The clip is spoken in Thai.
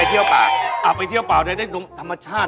ไปเที่ยวเปล่าเอาไปเที่ยวเปล่าก็จะได้ตรงธรรมชาติ